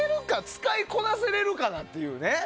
使いこなせられるかなっていうね。